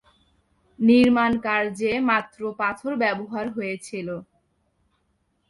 নির্মাণ কার্যে মাত্র পাথর ব্যবহার হয়েছিল।